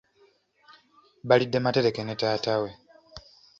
Balidde matereke ne taata we.